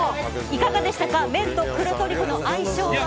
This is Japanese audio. いかがでしたか麺と黒トリュフの相性は。